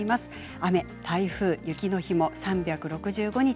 雨、台風、雪の日も３６５日